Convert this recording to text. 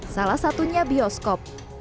salah satunya bioskop